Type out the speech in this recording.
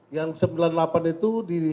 yang sembilan puluh delapan itu di